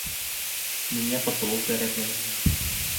Миңә ҡотолоу кәрәкмәй.